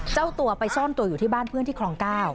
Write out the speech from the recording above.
เจ้าตัวไปซ่อนตัวอยู่ที่บ้านเพื่อนที่คลอง๙